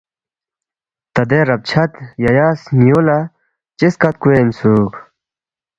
تا دے رب چھد ییہ سن٘یُو والا لہ چہ سکت کوے اِنسُوک